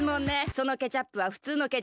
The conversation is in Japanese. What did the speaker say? そのケチャップはふつうのケチャップよ。